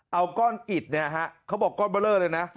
เอาก้อนอิดเนี่ยฮะเขาบอกก้อนเบอร์เลอร์เลยนะ